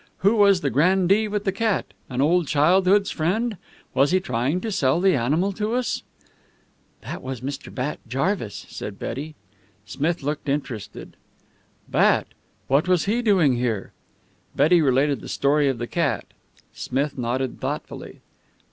"Who was the grandee with the cat? An old childhood's friend? Was he trying to sell the animal to us?" "That was Mr. Bat Jarvis," said Betty. Smith looked interested. "Bat! What was he doing here?" Betty related the story of the cat. Smith nodded thoughtfully.